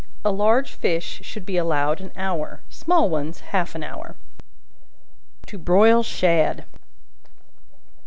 A large fish should be allowed an hour, small ones half an hour. To Broil Shad.